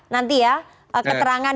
nanti ya keterangan